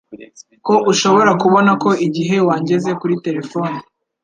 ko ushobora kubona ko igihe wangeze kuri terefone